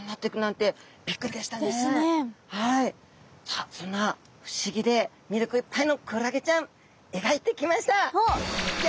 さあそんな不思議でみりょくいっぱいのクラゲちゃんえがいてきました！